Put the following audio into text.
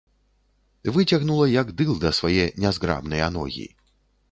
Выцягнула, як дылда, свае нязграбныя ногі.